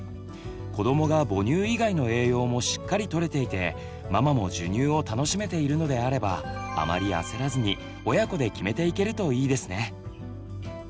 子どもが母乳以外の栄養もしっかりとれていてママも授乳を楽しめているのであればあまり焦らずに親子で決めていけるといいですね。